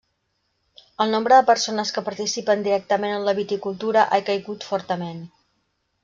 El nombre de persones que participen directament en la viticultura ha caigut fortament.